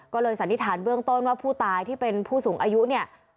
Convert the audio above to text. ก็เลยสันนิษฐานเบื้องต้นว่าผู้ตายที่เป็นผู้สูงอายุเนี่ย